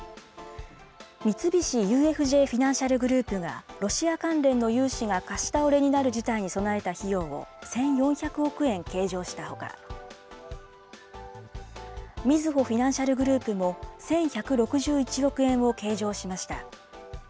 三菱ＵＦＪフィナンシャル・グループが、ロシア関連の融資が貸し倒れになる事態に備えた費用を１４００億円計上したほか、みずほフィナンシャルグループも１１６１億円を計上しました。